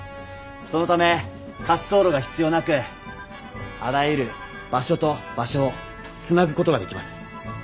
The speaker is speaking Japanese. そのため滑走路が必要なくあらゆる場所と場所をつなぐことができます。